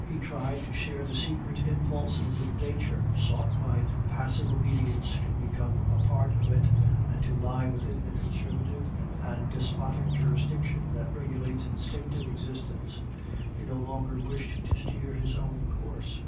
He tried to share the secret impulses of nature, sought by passive obedience to become a part of it, and to lie within the conservative and despotic jurisdiction that regulates instinctive existence. He no longer wished to steer his own course.